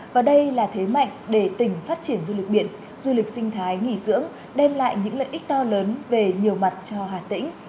và đây là thế mạnh để tỉnh phát triển du lịch biển du lịch sinh thái nghỉ dưỡng đem lại những lợi ích to lớn về nhiều mặt cho hà tĩnh